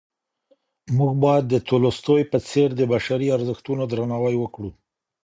موږ باید د تولستوی په څېر د بشري ارزښتونو درناوی وکړو.